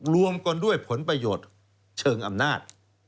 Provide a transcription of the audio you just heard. รวมกันด้วยผลประโยชน์เชิงอำนาจ